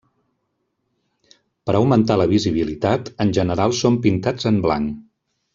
Per augmentar la visibilitat en general són pintats en blanc.